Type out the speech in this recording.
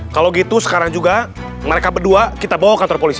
kalau gitu sekarang juga mereka berdua kita bawa kantor polisi